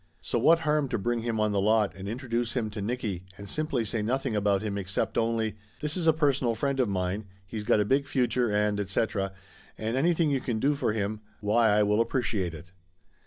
So what harm to bring him on the lot and introduce him to Nicky and simply say nothing about him except only, 'This is a personal friend of mine, he's got a big future and etc. and anything you can do for him, why I will ap preciate it